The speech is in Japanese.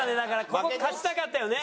ここ勝ちたかったよね？